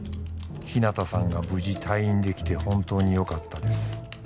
「日向さんが無事退院できて本当によかったです」